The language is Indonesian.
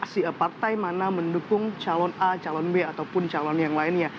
si partai mana mendukung calon a calon b ataupun calon yang lainnya